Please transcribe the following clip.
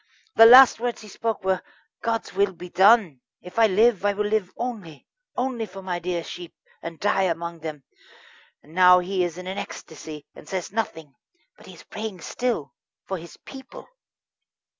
The last words he spoke were: 'God's will be done. If I live, I will live only only for my dear sheep, and die among them'; and now he is in an ecstasy, and says nothing. But he is praying still for his people."